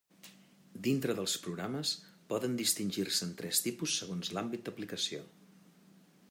Dintre dels programes, poden distingir-se'n tres tipus segons l'àmbit d'aplicació.